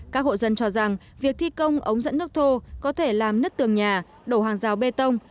các hộ dân cho rằng việc thi công ống dẫn nước thô có thể làm nứt tường nhà đổ hàng rào bê tông